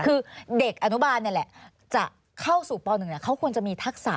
คือเด็กอนุบาลนี่แหละจะเข้าสู่ป๑เขาควรจะมีทักษะ